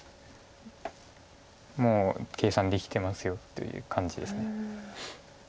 もう計算できてますよという感じです。